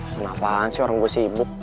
senapan sih orang gue sibuk